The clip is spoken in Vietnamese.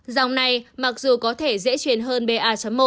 dòng này mặc dù có thể dễ truyền hơn ba một